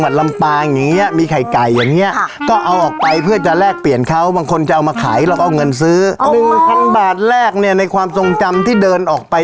แต่ไม่ใช่แค่งวดเดียวนะคะ